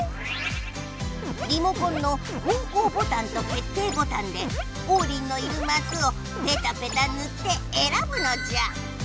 リモコンの方向ボタンと決定ボタンでオウリンのいるマスをペタペタぬってえらぶのじゃ！